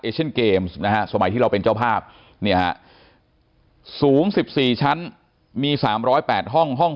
เอเชนเกมส์สมัยที่เราเป็นเจ้าภาพสูง๑๔ชั้นมี๓๐๘ห้องห้อง